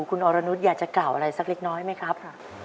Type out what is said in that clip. คุณอรนุษย์อยากจะกล่าวอะไรสักเล็กน้อยไหมครับ